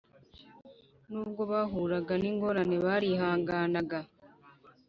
Nubwo bahuraga n’ ingorane barihanganaga